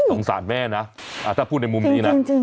สงสารแม่นะถ้าพูดในมุมนี้นะ